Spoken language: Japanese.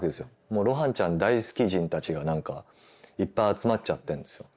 もう露伴ちゃん大好き人たちが何かいっぱい集まっちゃってんですよ。